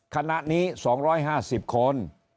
คณะนี้๒๕๐คน